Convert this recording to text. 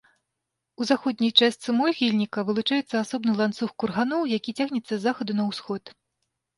У заходняй частцы могільніка вылучаецца асобны ланцуг курганоў, які цягнецца з захаду на ўсход.